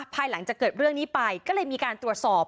ภายหลังจากเกิดเรื่องนี้ไปก็เลยมีการตรวจสอบ